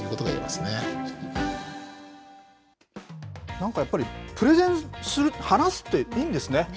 なんかやっぱりプレゼンする、話すっていいんですね。